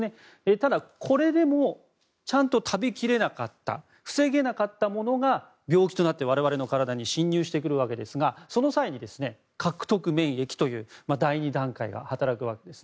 ただ、これでもちゃんと食べきれなかった防げなかったものが病気となって我々の体に侵入してくるわけですがその際に、獲得免疫という第２段階が働くわけです。